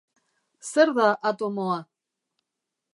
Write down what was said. Zer da atomoa?